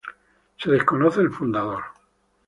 Se desconoce el fundador.